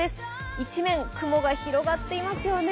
一面、雲が広がっていますよね。